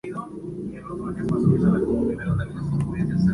Por otro lado Owen está considerado como el padre del cooperativismo.